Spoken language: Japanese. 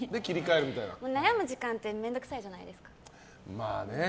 悩む時間って面倒くさいじゃないですか。